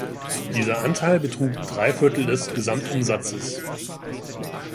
Dieser Anteil betrug drei Viertel des Gesamtumsatzes.